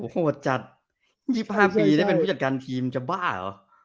โหดจัด๒๕ปีได้เป็นผู้จัดการทีมจะบ้าเหรอ